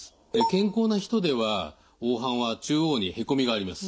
健康な人では黄斑は中央にへこみがあります。